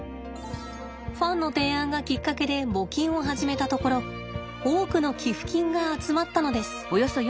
ファンの提案がきっかけで募金を始めたところ多くの寄付金が集まったのです。